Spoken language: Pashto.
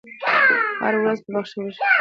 هر وخت چې بخښنه وشي، دښمني به دوام ونه کړي.